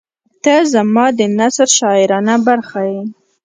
• ته زما د نثر شاعرانه برخه یې.